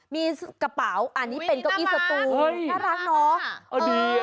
มีกระเป๋าอันนี้เป็นเก้าอี้สตูน่ารักเนาะ